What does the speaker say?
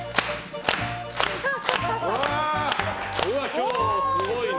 今日はすごいね。